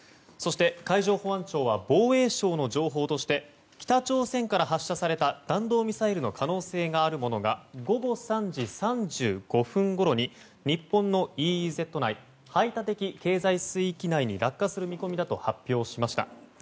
そして、海上保安庁は防衛省の情報として北朝鮮から発射された弾道ミサイルの可能性があるものが午後３時３５分ごろに日本のＥＥＺ・排他的経済水域内に落下する見込みだと発表しました。